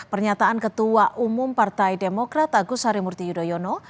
pernyataan ketua umum partai demokrat agus harimurti yudhoyono